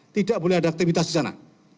tidak boleh ada aktivitas di sana